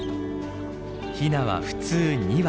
ヒナは普通２羽。